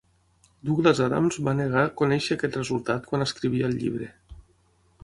Douglas Adams va negar conèixer aquest resultat quan escrivia el llibre.